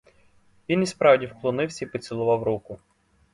Він і справді вклонився й поцілував руку.